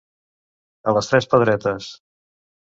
A les tres pedretes.